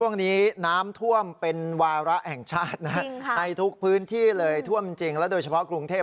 ช่วงนี้น้ำท่วมเป็นวาระแห่งชาตินะในทุกพื้นที่เลยท่วมจริงแล้วโดยเฉพาะกรุงเทพ